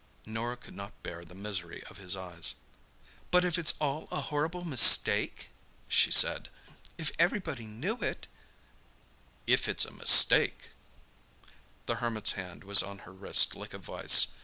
Norah could not bear the misery of his eyes. "But if it's all a horrible mistake?" she said. "If everybody knew it—?" "If it's a mistake!" The Hermit's hand was on her wrist like a vice.